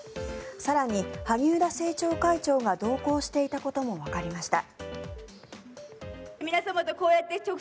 更に、萩生田政調会長が同行していたこともわかりました。